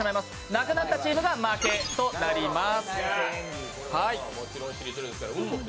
なくなったチームが負けとなります。